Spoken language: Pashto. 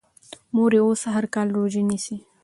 مور یې اوس هر کال روژه نیسي.